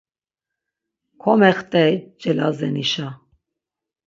Komext̆ey Celazenişa.